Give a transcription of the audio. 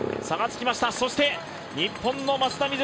そして、日本の松田瑞生